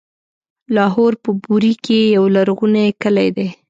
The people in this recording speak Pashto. لاهور په بوري کې يو لرغونی کلی دی.